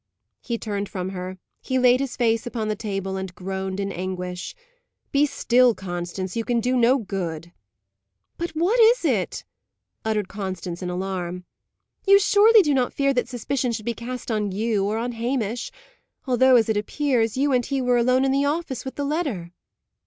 He turned from her. He laid his face upon the table and groaned in anguish. "Be still, Constance! You can do no good." "But what is it?" uttered Constance in alarm. "You surely do not fear that suspicion should be cast on you, or on Hamish although, as it appears, you and he were alone in the office with the letter?"